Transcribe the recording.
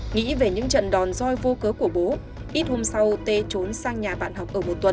nghĩ về những trận đòn roi vô cớ của bố ít hôm sau tê trốn sang nhà bạn học ở một tuần